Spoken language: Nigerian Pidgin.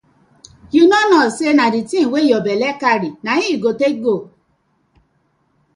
Yu no kno say na di tin wey yah belle na im yu go take go.